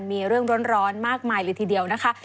มีเรื่องร้อนมากมายเลยทีเดียวนะคะ